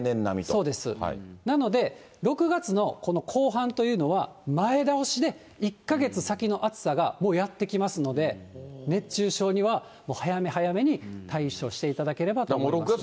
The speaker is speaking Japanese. そうです、なので、６月の後半というのは、前倒しで１か月先の暑さがやって来ますので、熱中症には早め早めに対処していただければと思います。